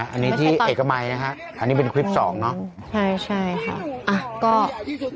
อันนี้ที่เอกไม้นะฮะอันนี้เป็นคลิป๒เนอะ